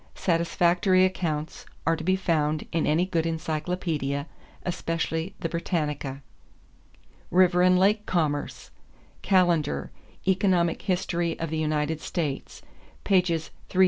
Satisfactory accounts are to be found in any good encyclopedia, especially the Britannica. =River and Lake Commerce.= Callender, Economic History of the United States, pp. 313 326.